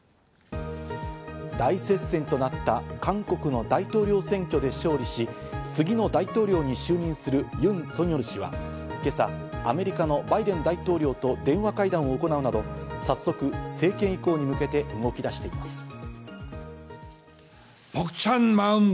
大接戦となった韓国の大統領選挙で勝利し、次の大統領に就任するユン・ソギョル氏は、今朝、アメリカのバイデン大統領と電話会談を行うなど、早速政権移行に向けて動き出しています。